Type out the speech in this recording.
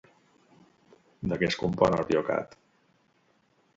De què es compon el Biocat?